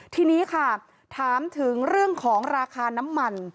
ทีนี้ค่ะถามถึงเรื่องของราคาน้ำมัน